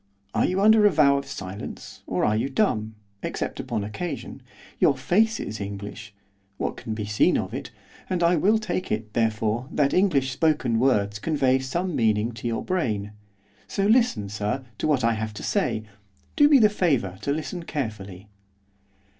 Are you under a vow of silence, or are you dumb, except upon occasion? Your face is English, what can be seen of it, and I will take it, therefore, that English spoken words convey some meaning to your brain. So listen, sir, to what I have to say, do me the favour to listen carefully.